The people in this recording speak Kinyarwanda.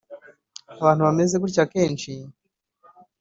Abantu bameze gutya akenshi